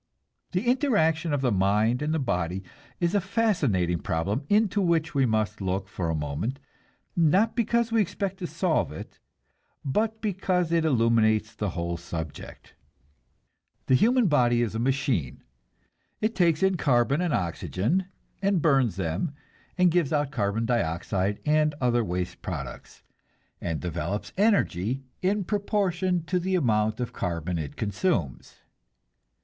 The interaction of the mind and the body is a fascinating problem into which we must look for a moment, not because we expect to solve it, but because it illuminates the whole subject. The human body is a machine. It takes in carbon and oxygen, and burns them, and gives out carbon dioxide and other waste products, and develops energy in proportion to the amount of carbon it consumes.